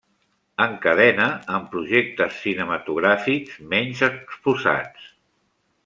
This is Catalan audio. Encadena amb projectes cinematogràfics menys exposats.